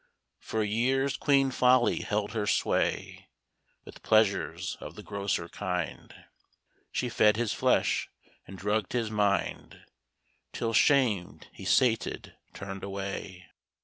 For years queen Folly held her sway. With pleasures of the grosser kind She fed his flesh and drugged his mind, Till, shamed, he sated turned away.